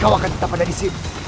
kamu akan tetap ada di sini